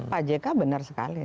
pak jk benar sekali